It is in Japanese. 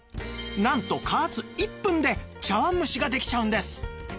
なんと加圧１分で茶碗蒸しができちゃうんです